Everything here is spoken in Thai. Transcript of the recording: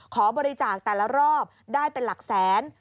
ขอบริจาคแต่ละรอบได้เป็นหลักแสน